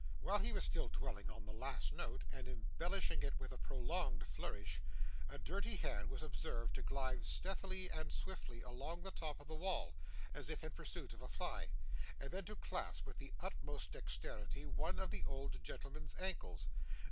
While he was still dwelling on the last note, and embellishing it with a prolonged flourish, a dirty hand was observed to glide stealthily and swiftly along the top of the wall, as if in pursuit of a fly, and then to clasp with the utmost dexterity one of the old gentleman's ankles.